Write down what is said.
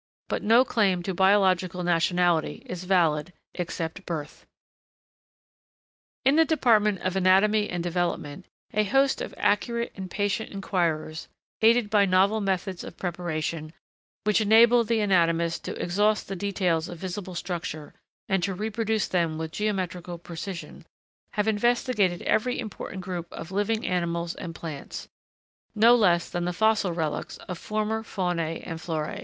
But no claim to biological nationality is valid except birth. [Sidenote: Morphology.] In the department of anatomy and development, a host of accurate and patient inquirers, aided by novel methods of preparation, which enable the anatomist to exhaust the details of visible structure and to reproduce them with geometrical precision, have investigated every important group of living animals and plants, no less than the fossil relics of former faunæ and floræ.